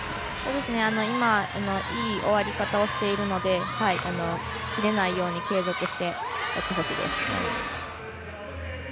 今、いい終わり方をしているので切れないように継続してやってほしいです。